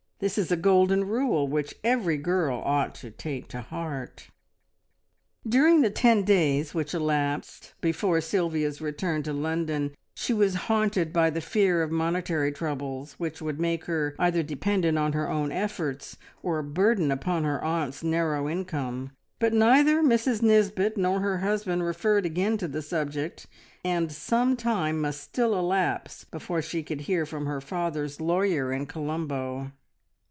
This is a golden rule, which every girl ought to take to heart. During the ten days which elapsed before Sylvia's return to London, she was haunted by the fear of monetary troubles which would make her either dependent on her own efforts, or a burden upon her aunt's narrow income, but neither Mrs Nisbet nor her husband referred again to the subject, and some time must still elapse before she could hear from her father's lawyer in Colombo.